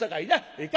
ええか？